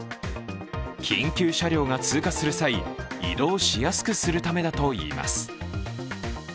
緊急車両が通過する際、移動しやすくするためだといいます。